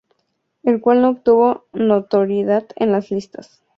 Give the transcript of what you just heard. El cual no obtuvo notoriedad en las listas.